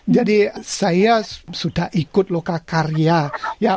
jadi saya sudah ikut luka karya